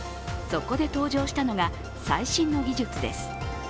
そこで登場したのが、最新の技術です。